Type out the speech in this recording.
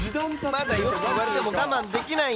まだよと言われても我慢できない。